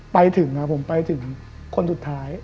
ไปถึงผมไปถึงคนสุดท้าย